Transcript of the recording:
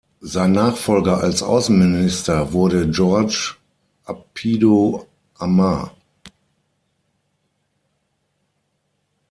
Sein Nachfolger als Außenminister wurde Georges Apedo-Amah.